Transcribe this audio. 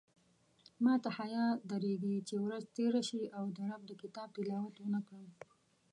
ماته حیاء درېږې چې ورځ تېره شي او د رب د کتاب تلاوت ونکړم